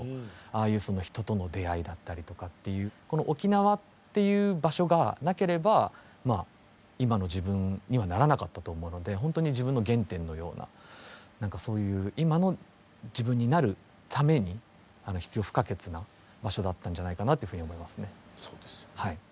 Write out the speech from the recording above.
ああいう人との出会いだったりとかこの沖縄っていう場所がなければ今の自分にはならなかったと思うので本当に自分の原点のような何かそういう今の自分になるために必要不可欠な場所だったんじゃないかなというふうに思いますね。